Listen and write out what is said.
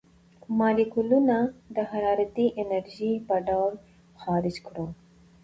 مالیکولونه د حرارتي انرژۍ په ډول خارج کړو.